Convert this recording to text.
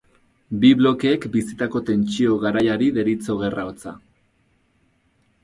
Bi blokeek bizitako tentsio garaiari deritzo Gerra hotza.